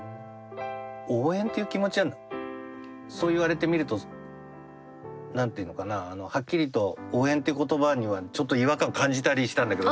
応援という気持ちはそう言われてみると何て言うのかなはっきりと「応援」っていう言葉にはちょっと違和感を感じたりしたんだけど。